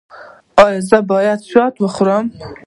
ایا زه باید شات وخورم؟